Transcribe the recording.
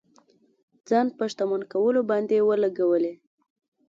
ځان په شتمن کولو باندې ولګولې.